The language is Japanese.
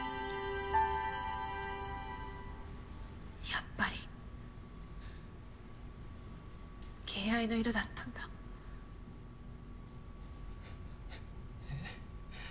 やっぱり「敬愛」の色だったんだ。え。